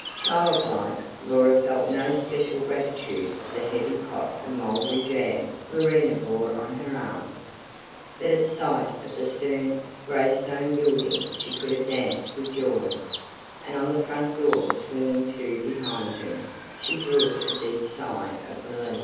Child like, Laura felt no special gratitude for the heavy pot of mulberry jam Marina bore on her arm; but at sight of the stern, grey, stone building she could have danced with joy; and on the front door swinging to behind her, she drew a deep sigh of relief.